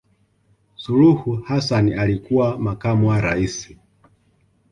suluhu hassan alikuwa makamu wa raisi